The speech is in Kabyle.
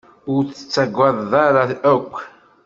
Ur tettaggad ara akk.